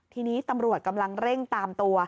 ทีนี้ตำรวจกำลังเร่งตามตัว